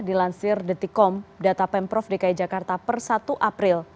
dilansir detikom data pemprov dki jakarta per satu april